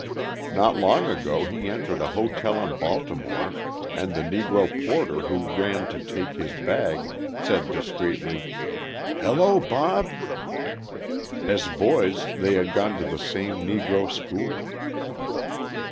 Not long ago he entered a hotel in Baltimore and the Negro porter who ran to take his bag said discreetly: "Hello, Bob." As boys they had gone to the same Negro school.